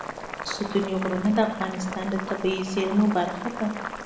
ستوني غرونه د افغانستان د طبیعي زیرمو برخه ده.